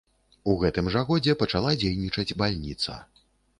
У гэтым жа годзе пачала дзейнічаць бальніца.